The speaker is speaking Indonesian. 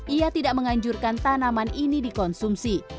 ia tidak menganjurkan tanaman ini dikonsumsi